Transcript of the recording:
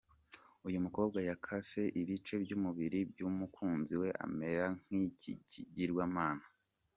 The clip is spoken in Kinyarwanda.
Uyu mukobwa yakase ibice by’umubiri by’umukunzi we amera nk’iki kigirwamana.